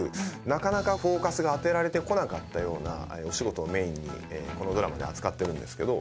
なかなかフォーカスが当てられてこなかったようなお仕事をメインにこのドラマでは扱ってるんですけど。